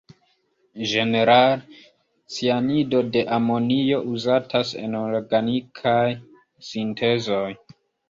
Ĝenerale cianido de amonio uzatas en organikaj sintezoj.